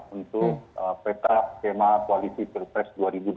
untuk peta skema koalisi pilpres dua ribu dua puluh